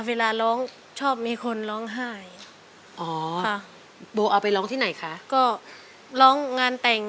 เวลาร้องชอบมีคนร้องไห้อ๋อค่ะโบเอาไปร้องที่ไหนคะก็ร้องงานแต่ง